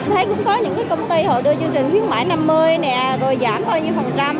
thấy cũng có những cái công ty họ đưa chương trình khuyến mại năm mươi nè rồi giảm bao nhiêu phần trăm